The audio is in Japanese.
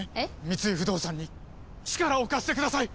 三井不動産に力を貸してください！